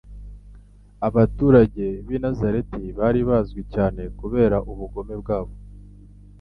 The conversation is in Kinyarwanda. Abaturage b'I Nazareti bari bazwi cyane kubera ubugome bwa bo.